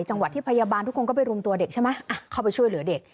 จังหวัดที่พยาบาลทุกคนก็ไปรุมตัวเด็กใช่ไหมเข้าไปช่วยเหลือเด็ก